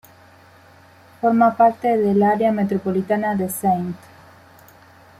Forma parte del área metropolitana de St.